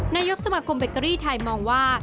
นายกสมาคมเบเกอรี่ไทยมองว่า